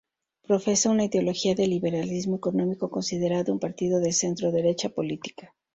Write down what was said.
Profesa una ideología de liberalismo económico, considerado un partido de centroderecha política.